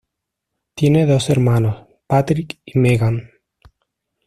Tiene dos hermanos, Patrick y Meghan.